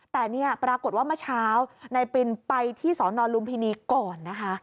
แต่เนี่ยปรากฏว่าเมื่อเช้านายปินไปที่สอนอนลุมพินีก่อนนะคะ